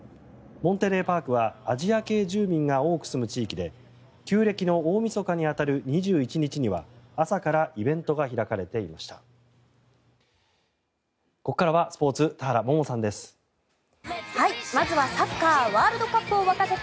モンテレーパークはアジア系住民が多く住む地域で旧暦の大みそかに当たる２１日には朝からイベントが開かれていました。